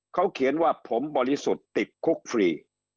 เขาเขียนว่าผมบริสุทธิ์ติดคุกฟรี